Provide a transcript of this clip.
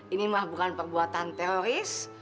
ini mah bukan perbuatan teroris